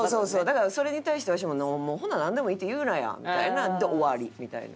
だからそれに対してわしも「ほななんでもいいって言うなや」みたいなで終わりみたいな。